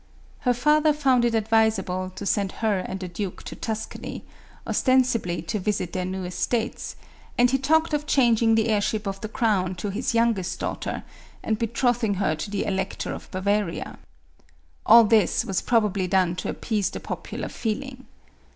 Her father found it advisable to send her and the duke to Tuscany, ostensibly to visit their new estates, and he talked of changing the heirship of the crown to his youngest daughter, and betrothing her to the Elec tor of Bavaria. All this was probably done to appease the popular feeling.